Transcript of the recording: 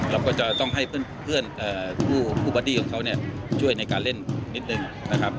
เราก็จะต้องให้เพื่อนผู้บอดี้ของเขาเนี่ยช่วยในการเล่นนิดนึงนะครับ